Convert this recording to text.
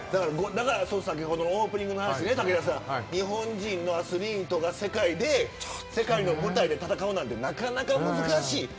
先ほどのオープニングの話で日本人のアスリートが世界の舞台で戦うなんてなかなか難しい。